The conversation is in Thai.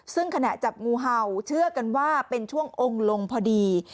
ซึ่งขณะจับงูเห่าเชื่อกันว่าเป็นช่วงองค์ลงพอดี